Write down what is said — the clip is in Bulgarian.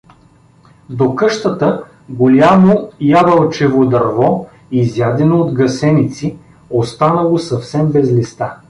До къщата голямо ябълчево дърво, изядено от гъсеници, останало съвсем без листа.